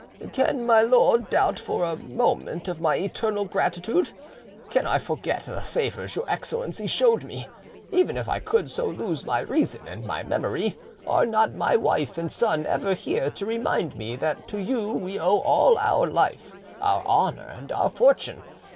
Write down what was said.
"Can my lord doubt for a moment of my eternal gratitude? Can I forget the favours your Excellency showed me? Even if I could so lose my reason and my memory, are not my wife and son ever here to remind me that to you we owe all our life, our honour, and our fortune?